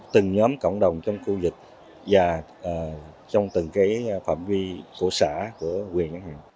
từng nhóm cộng đồng trong khu vực và trong từng cái phạm vi của xã của quyền